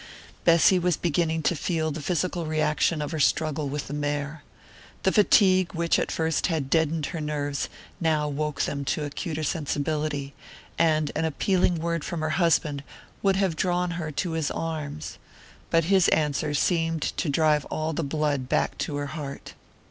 Bessy was beginning to feel the physical reaction of her struggle with the mare. The fatigue which at first had deadened her nerves now woke them to acuter sensibility, and an appealing word from her husband would have drawn her to his arms. But his answer seemed to drive all the blood back to her heart.